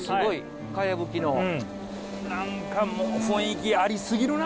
何かもう雰囲気ありすぎるな。